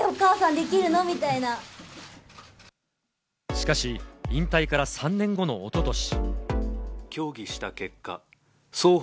しかし、引退から３年後のおととし。